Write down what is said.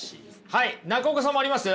はい中岡さんもあります？